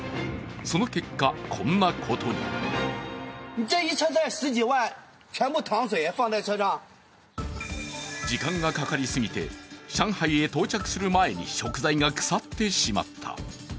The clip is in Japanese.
その結果、こんなことも時間がかかりすぎて上海へ到着する前に食材が腐ってしまった。